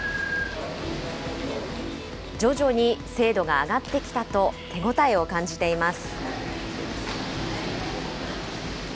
徐々に精度が上がってきたと、手応えを感じています。